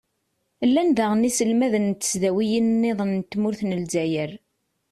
llan daɣen yiselmaden n tesdawin-nniḍen n tmurt n lezzayer.